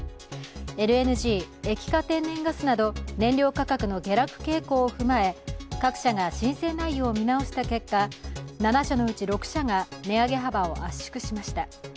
ＬＮＧ＝液化天然ガスなど燃料価格の下落傾向を踏まえ各社が申請内容を見直した結果、７社のうち６社が値上げ幅を圧縮しました。